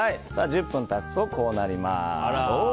１０分経つと、こうなります。